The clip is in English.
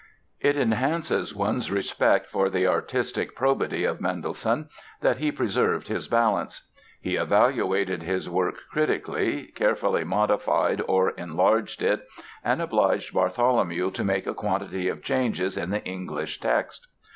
It enhances one's respect for the artistic probity of Mendelssohn that he preserved his balance. He evaluated his work critically, carefully modified or enlarged it and obliged Bartholomew to make a quantity of changes in the English text.